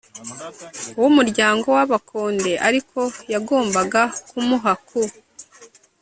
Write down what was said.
W umuryango w abakonde ariko yagombaga kumuha ku